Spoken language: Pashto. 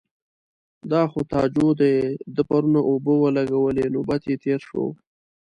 _دا خو تاجو دی، ده پرون اوبه ولګولې. نوبت يې تېر شو.